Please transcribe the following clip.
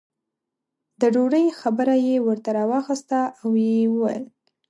د ډوډۍ خبره یې ورته راواخسته او یې وویل.